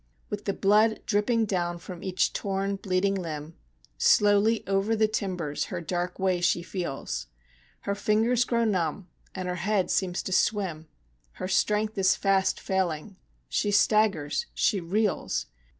With the blood dripping down from each torn, bleeding limb, Slowly over the timbers her dark way she feels; Her fingers grow numb and her head seems to swim; Her strength is fast failing she staggers! she reels!